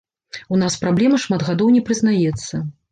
У нас праблема шмат гадоў не прызнаецца.